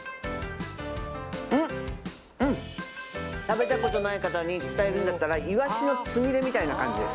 食べたことない方に伝えるんだったらいわしのつみれみたいな感じです。